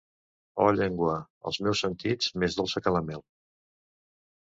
Oh llengua, als meus sentits, més dolça que la mel!